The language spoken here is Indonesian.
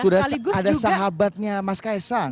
sudah ada sahabatnya mas ks ang